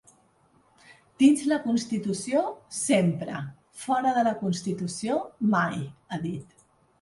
Dins la constitució, sempre; fora de la constitució, mai, ha dit.